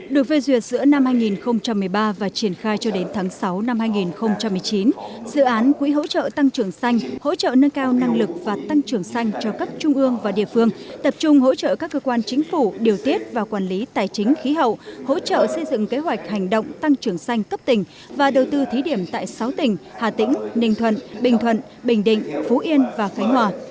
được phê duyệt giữa năm hai nghìn một mươi ba và triển khai cho đến tháng sáu năm hai nghìn một mươi chín dự án quỹ hỗ trợ tăng trưởng xanh hỗ trợ nâng cao năng lực và tăng trưởng xanh cho các trung ương và địa phương tập trung hỗ trợ các cơ quan chính phủ điều tiết và quản lý tài chính khí hậu hỗ trợ xây dựng kế hoạch hành động tăng trưởng xanh cấp tỉnh và đầu tư thí điểm tại sáu tỉnh hà tĩnh ninh thuận bình thuận bình định phú yên và khánh hòa